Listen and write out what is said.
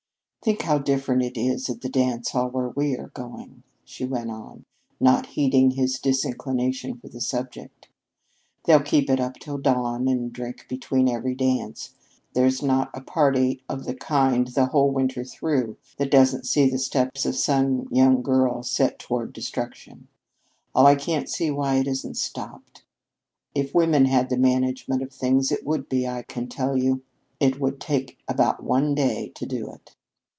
"Think how different it is at the dance hall where we are going," she went on, not heeding his disinclination for the subject. "They'll keep it up till dawn and drink between every dance. There's not a party of the kind the whole winter through that doesn't see the steps of some young girl set toward destruction. Oh, I can't see why it isn't stopped! If women had the management of things, it would be, I can tell you. It would take about one day to do it."